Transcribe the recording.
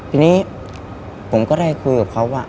ทีนี้ผมก็ได้คุยกับเขาว่า